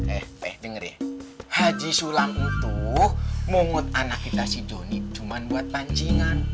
eh eh denger deh haji sulam itu mengut anak kita si joni cuma buat pancingan